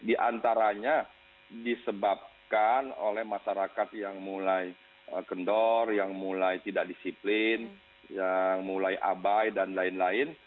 di antaranya disebabkan oleh masyarakat yang mulai kendor yang mulai tidak disiplin yang mulai abai dan lain lain